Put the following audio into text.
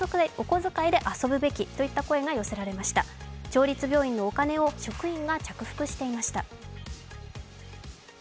町立病院のお金を職員が着服していました。